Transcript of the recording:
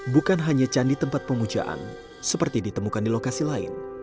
bukan hanya candi tempat pemujaan seperti ditemukan di lokasi lain